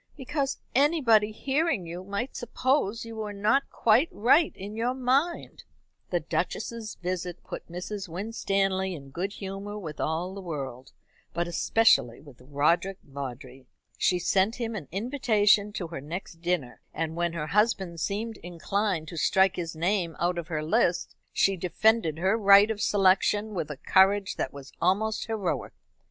"Because anybody hearing you might suppose you were not quite right in your mind." The Duchess's visit put Mrs. Winstanley in good humour with all the world, but especially with Roderick Vawdrey. She sent him an invitation to her next dinner, and when her husband seemed inclined to strike his name out of her list, she defended her right of selection with a courage that was almost heroic.